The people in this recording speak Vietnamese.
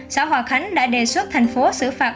xã hòa khánh đã đề xuất thành phố xử phạt